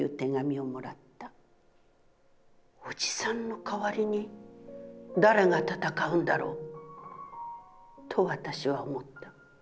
『おじさんの代りに誰が戦うんだろう？』と私は思った。